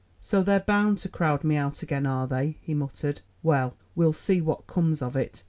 "So they're bound to crowd me out again, are they?" he muttered. "Well, we'll see what comes of it.